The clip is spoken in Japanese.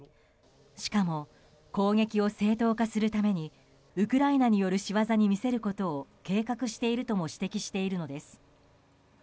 しかも、攻撃を正当化するためにウクライナによる仕業に見せることを計画しているとも指摘しているのです。